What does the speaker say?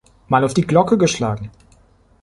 Mal auf die Glocke geschlagen.